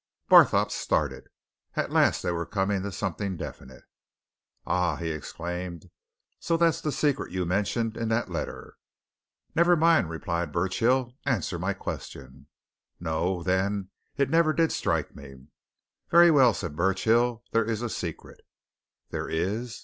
Barthorpe started. At last they were coming to something definite. "Ah!" he exclaimed. "So that's the secret you mentioned in that letter?" "Never mind," replied Burchill. "Answer my question." "No, then it never did strike me." "Very well," said Burchill. "There is a secret." "There is?"